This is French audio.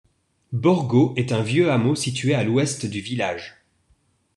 Borgo est un vieux hameau situé à l'ouest du village.